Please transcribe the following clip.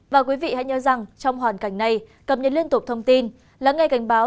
và quý vị hãy nhớ rằng trong hoàn cảnh này cập nhật liên tục thông tin lắng nghe cảnh báo